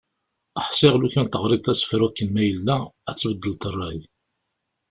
Ḥsiɣ lufan teɣriḍ asefru akken ma yella, ad tbeddleḍ rray.